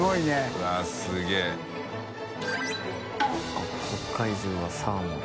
あっ北海重はサーモン。